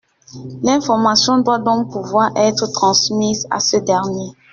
L’information doit donc pouvoir être transmise à ce dernier.